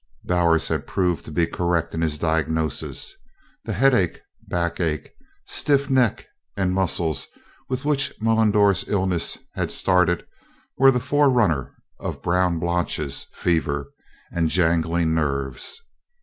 Bowers had proved to be correct in his diagnosis. The headache, backache, stiff neck and muscles with which Mullendore's illness had started were the forerunner of brown blotches, fever and jangling nerves.